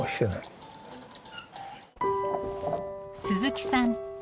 鈴木さん